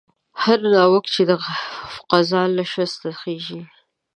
هر ناوک چې د قضا له شسته خېژي